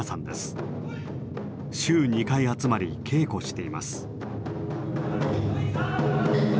週２回集まり稽古しています。